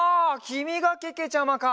きみがけけちゃまか。